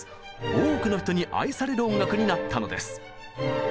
多くの人に愛される音楽になったのです。